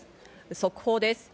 速報です。